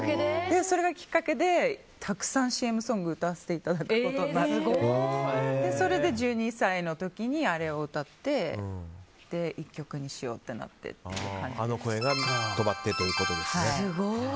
それがきっかけでたくさんＣＭソングを歌わせていただくことになってそれで１２歳の時あれを歌って１曲にしようってなってって感じです。